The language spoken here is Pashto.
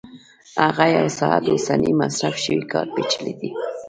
هغه یو ساعت اوسنی مصرف شوی کار پېچلی دی